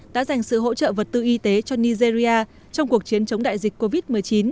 đã dành sự hỗ trợ vật tư y tế cho nigeria trong cuộc chiến chống đại dịch covid một mươi chín